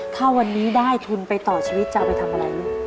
ถ้าวันนี้ได้ทุนไปต่อชีวิตจะเอาไปทำอะไรลูก